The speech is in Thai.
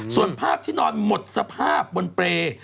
ส่วนภาพที่นอนหมดสภาพบนเปรย์